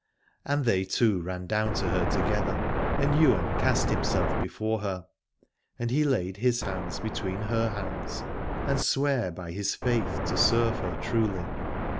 And they two ran down to her together and Ywain cast himself before her : and he laid his hands between her hands and sware by his faith to serve her truly.